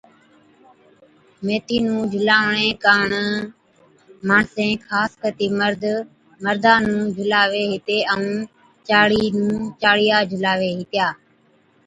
ميٿِي نُون جھُلاوَڻي ڪاڻ ماڻسين خاص ڪتِي مرد مردا نُون جھُلاوَي ھِتي ائُون چاڙي نُون چاڙِيا جھُلاوي ھِتيا